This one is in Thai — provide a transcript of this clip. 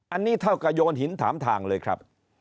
อันนี้เท่ากับโยนหินถามทางเลยครับ